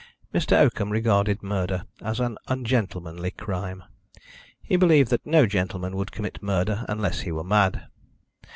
Mr. Oakham regarded murder as an ungentlemanly crime. He believed that no gentleman would commit murder unless he were mad.